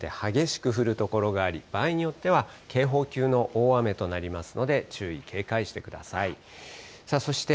夜にかけて、激しく降る所があり、場合によっては警報級の大雨となりますので、注意、警戒してください。